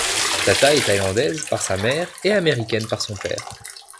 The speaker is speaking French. Tata est Thaïlandaise par sa mère et Américaine par son père.